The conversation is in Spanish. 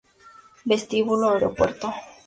Vestíbulo Aeropuerto